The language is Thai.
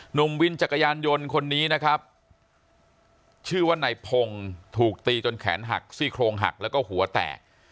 หนุ่มวินจักรยานยนต์คนนี้นะครับชื่อว่านายพงศ์ถูกตีจนแขนหักซี่โครงหักแล้วก็หัวแตก